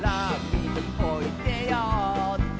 「みにおいでよって」